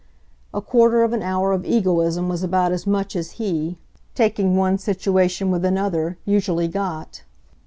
A quarter of an hour of egoism was about as much as he, taking one situation with another, usually got.